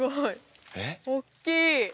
おっきい。